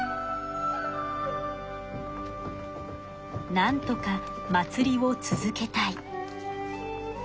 なんとか祭りを続けたい。